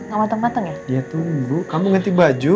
gak mateng mateng ya